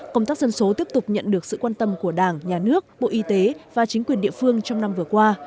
công tác dân số tiếp tục nhận được sự quan tâm của đảng nhà nước bộ y tế và chính quyền địa phương trong năm vừa qua